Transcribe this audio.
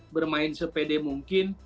bermain sepede mungkin